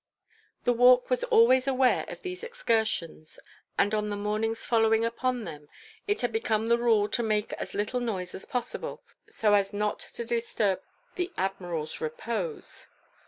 The Walk was always aware of these excursions, and on the mornings following upon them it had become the rule to make as little noise as possible, so as not to disturb the Admiral's repose.